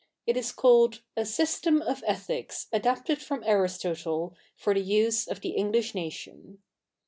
It is called " A system of Ethics, adapted from Aristotle, for the use of the English Nation."